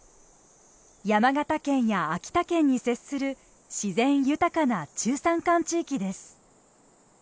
山形県や秋田県に接する自然豊かな中山間地域です。